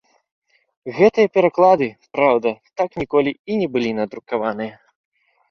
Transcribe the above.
Гэтыя пераклады, праўда, так ніколі і не былі надрукаваныя.